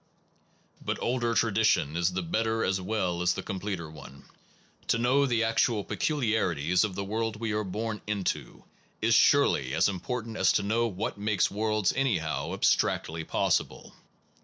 But the older tradition is the better as well as the completer one. To know the actual peculiarities of the world we are born into is surely as important as to know what makes worlds anyhow abstractly possible.